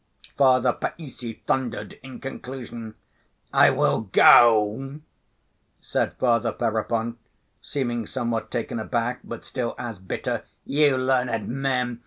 Father Païssy thundered in conclusion. "I will go," said Ferapont, seeming somewhat taken aback, but still as bitter. "You learned men!